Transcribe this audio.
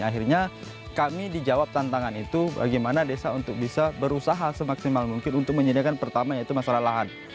akhirnya kami dijawab tantangan itu bagaimana desa untuk bisa berusaha semaksimal mungkin untuk menyediakan pertama yaitu masalah lahan